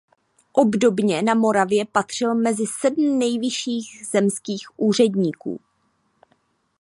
Obdobně na Moravě patřil mezi sedm nejvyšších zemských úředníků.